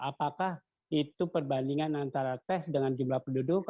apakah itu perbandingan antara tes dengan jumlah penduduk